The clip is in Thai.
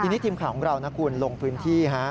ทีนี้ทีมข่าวของเรานะคุณลงพื้นที่